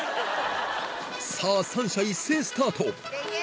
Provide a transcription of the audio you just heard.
さぁ３者一斉スタート